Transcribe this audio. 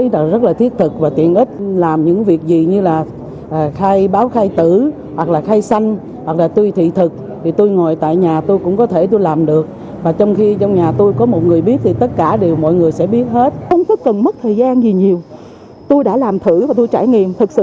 đều từng bước thực hiện một cách dễ dàng